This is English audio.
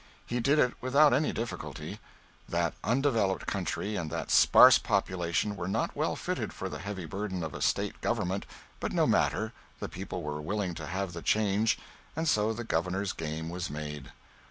He did it without any difficulty. That undeveloped country and that sparse population were not well fitted for the heavy burden of a State Government, but no matter, the people were willing to have the change, and so the Governor's game was made.